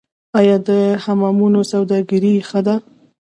آیا د حمامونو سوداګري ښه ده؟